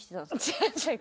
違う違う。